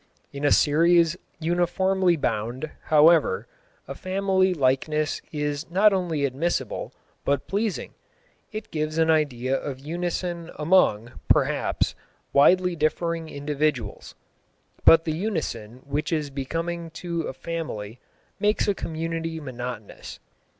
In a series uniformly bound, however, a family likeness is not only admissible, but pleasing. It gives an idea of unison among, perhaps, widely differing individuals. But the unison which is becoming to a family makes a community monotonous.